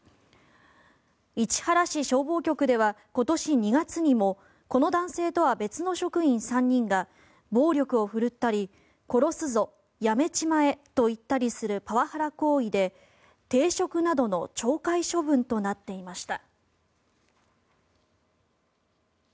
市原市消防局では今年２月にもこの男性とは別の職員３人が暴力を振るったり殺すぞ、辞めちまえと言ったりするパワハラ行為で停職などの懲戒処分となっていました。